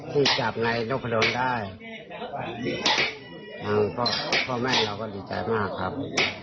ที่จับในนักภัณฑ์ได้พ่อแม่เราก็ดีใจมากครับ